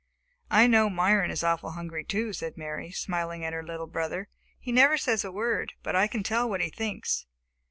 "I know Myron is awfully hungry too," said Mary, smiling at her little brother. "He never says a word, but I can tell what he thinks.